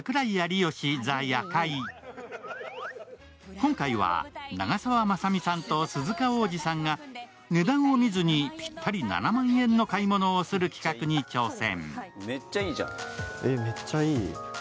今回は長澤まさみさんと鈴鹿央士さんが値段を見ずにぴったり７万円の買い物をする企画に挑戦。